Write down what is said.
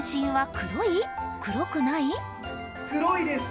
黒いですか？